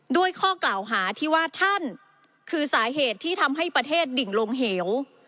ข้อกล่าวหาที่ว่าท่านคือสาเหตุที่ทำให้ประเทศดิ่งลงเหว